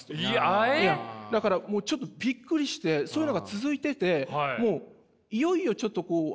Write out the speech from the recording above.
だからもうちょっとびっくりしてそういうのが続いててもういよいよちょっとなるほど。